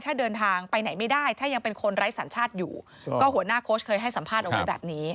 ถ้าเดินทางไปไหนไม่ได้ถ้ายังเป็นคนไร้สัญชาติอยู่ก็หัวหน้าโค้ชเคยให้สัมภาษณ์เอาไว้แบบนี้